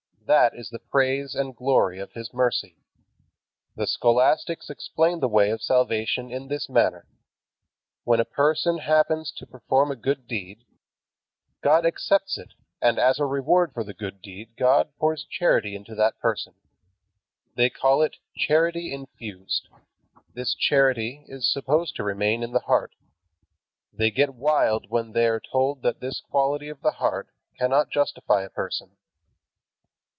That is the praise and glory of His mercy. The scholastics explain the way of salvation in this manner. When a person happens to perform a good deed, God accepts it and as a reward for the good deed God pours charity into that person. They call it "charity infused." This charity is supposed to remain in the heart. They get wild when they are told that this quality of the heart cannot justify a person.